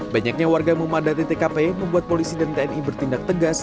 banyaknya warga memadati tkp membuat polisi dan tni bertindak tegas